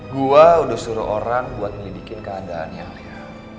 gue udah suruh orang buat ngelidikin keadaannya lia